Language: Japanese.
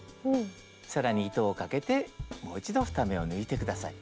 更に糸をかけてもう一度２目を抜いて下さい。